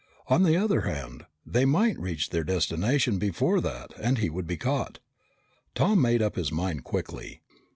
On the other hand, they might reach their destination before that and he would be caught. Tom made up his mind quickly.